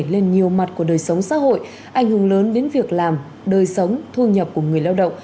lên nhiều mặt của đời sống xã hội ảnh hưởng lớn đến việc làm đời sống thu nhập của người lao động